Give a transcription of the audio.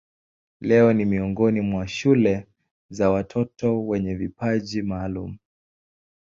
Leo ni miongoni mwa shule za watoto wenye vipaji maalumu.